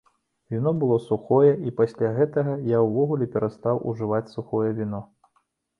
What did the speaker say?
Віно было сухое, і пасля гэтага я ўвогуле перастаў ужываць сухое віно.